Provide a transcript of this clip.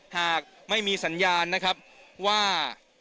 หากไม่มีสัญญาณนะครับว่า